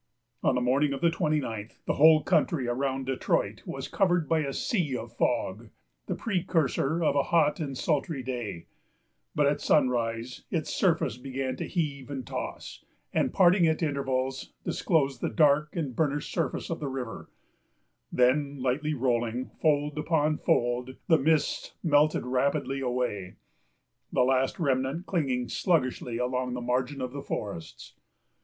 On the morning of the twenty ninth, the whole country around Detroit was covered by a sea of fog, the precursor of a hot and sultry day; but at sunrise its surface began to heave and toss, and, parting at intervals, disclosed the dark and burnished surface of the river; then lightly rolling, fold upon fold, the mists melted rapidly away, the last remnant clinging sluggishly along the margin of the forests.